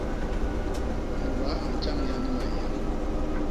Mudaa a ntjañya ni maéya.